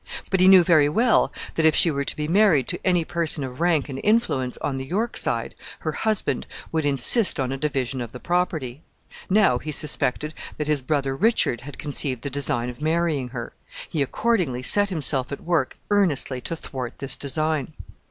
But he knew very well that if she were to be married to any person of rank and influence on the York side, her husband would insist on a division of the property. Now he suspected that his brother Richard had conceived the design of marrying her. He accordingly set himself at work earnestly to thwart this design.